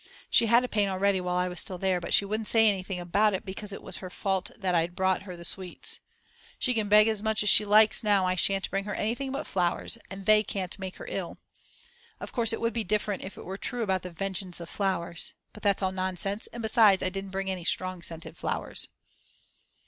She had a pain already while I was still there, but she wouldn't say anything about it because it was her fault that I'd brought her the sweets. She can beg as much as she likes now, I shan't bring her anything but flowers, and they can't make her ill. Of course it would be different if it were true about the "Vengeance of Flowers." But that's all nonsense, and besides I don't bring any strong scented flowers.